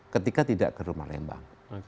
ketika tidak ke rumah lembang